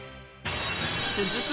［続く］